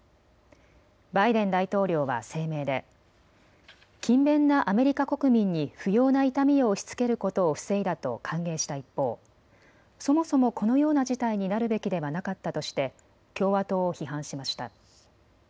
バイデン大統領は声明で勤勉なアメリカ国民に不要な痛みを押しつけることを防いだと歓迎した一方、そもそもこのような事態になるべきではなかったとして共和党を批判しました。